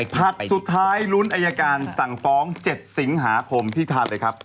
ผลัดสุดท้ายลุ้นอายการสั่งฟ้อง๗สิงหาคมพี่ทานเลยครับ